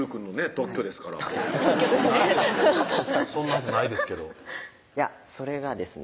特許ですからそんなはずないですけどいやそれがですね